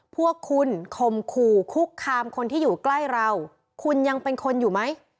พวกคุณคมขู่คุกคามคนที่อยู่ใกล้เราคุณยังเป็นคนอยู่ไหม